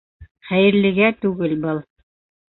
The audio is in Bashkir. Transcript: Хәйерлегә түгел был.